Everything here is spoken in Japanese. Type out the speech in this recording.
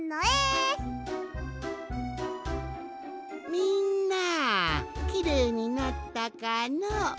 みんなきれいになったかのう？